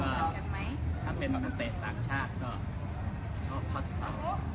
โอเคอยู่กับท่านนายกก็อยู่คนละฝั่ง